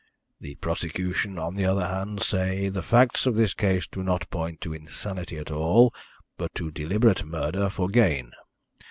The prosecution, on the other hand, say, 'The facts of this case do not point to insanity at all, but to deliberate murder for gain.'